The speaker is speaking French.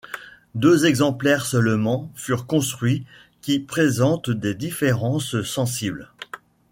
Deux exemplaires seulement furent construits, qui présentent des différences sensibles.